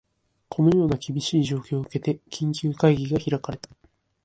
このような厳しい状況を受けて、緊急会議が開かれた